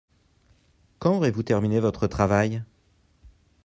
Quand aurez-vous terminé votre travail ?